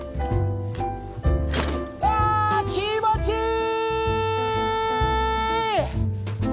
・ああ気持ちいい！